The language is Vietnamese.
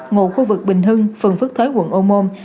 ngụ khu vực bình hưng phường phước thới quận ô môn